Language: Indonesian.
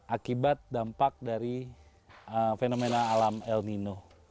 akibat dampak dari fenomena alam el nino